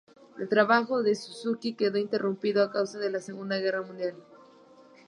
El trabajo de Suzuki quedó interrumpido a causa de la Segunda Guerra Mundial.